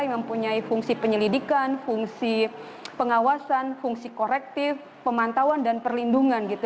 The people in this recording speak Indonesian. yang mempunyai fungsi penyelidikan fungsi pengawasan fungsi korektif pemantauan dan perlindungan